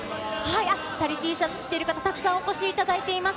あっ、チャリＴシャツ着てる方、たくさんお越しいただいています。